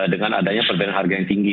dengan adanya perbedaan harga yang tinggi